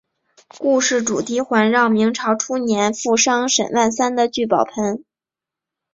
故事主题环绕明朝初年富商沈万三的聚宝盆。